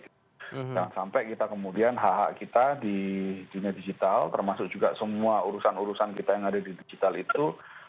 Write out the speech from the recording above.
jangan sampai kita kemudian hak hak kita di dunia digital termasuk juga semua urusan urusan kita yang ada di digital itu